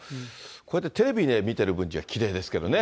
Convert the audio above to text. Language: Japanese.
こうやってテレビで見てる分にはきれいですけどね。